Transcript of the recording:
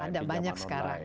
ada banyak sekarang